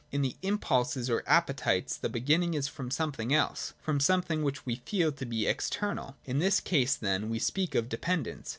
In the impulses or appetites the beginning is from something else, from something which we feel to be ex ternal. In this case then we speak of dependence.